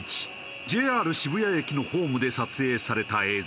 ＪＲ渋谷駅のホームで撮影された映像。